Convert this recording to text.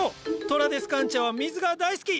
トラデスカンチアは水が大好き！